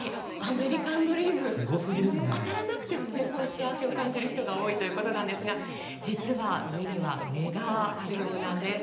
当たらなくても幸せを感じる人が多いということなんですが実には上には上があるようなんです。